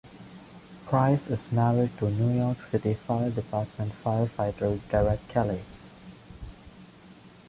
Price is married to New York City Fire Department firefighter Derek Kelly.